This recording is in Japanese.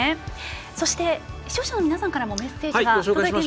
そして、視聴者の皆さんからもメッセージが届いています。